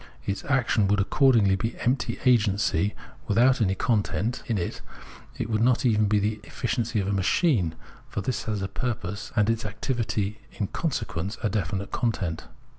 Its action would accord ingly be empty agency without any content in 254 Phenomenology of Mind it ; it would not even be the efficiency of a machine, for this has a purpose and its activity in conse quence a definite content.